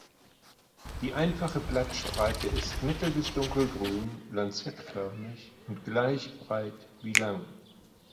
Die einfache Blattspreite ist mittel- bis dunkelgrün, lanzettförmig und gleich breit wie lang.